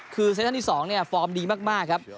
คือเซชั่นน่าที่๒เนี่ยฟอร์มดีมากครับ